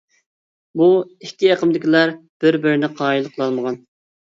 بۇ ئىككى ئېقىمدىكىلەر بىر-بىرىنى قايىل قىلالمىغان.